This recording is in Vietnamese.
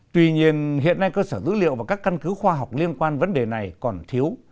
tuy nhiên hiện nay cơ sở dữ liệu và các căn cứ khoa học liên quan vấn đề này còn thiếu